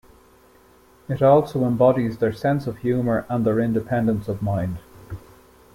It also embodies their sense of humour and their independence of mind.